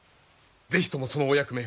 是非ともそのお役目